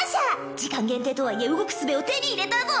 時間限定とはいえ動くすべを手に入れたぞ